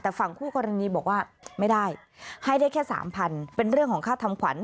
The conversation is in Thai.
แต่ฝั่งคู่กรณีบอกว่าไม่ได้ให้ได้แค่สามพันเป็นเรื่องของค่าทำขวัญ